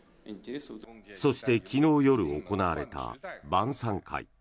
そして、昨日夜行われた晩さん会。